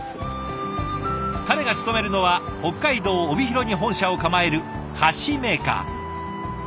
彼が勤めるのは北海道帯広に本社を構える菓子メーカー。